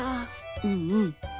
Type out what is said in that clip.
うんうん。